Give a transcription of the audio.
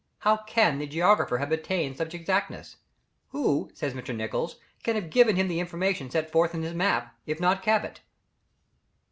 How can the geographer have attained to such exactness? "Who," says Mr. Nicholls, "can have given him the information set forth in his map, if not Cabot?"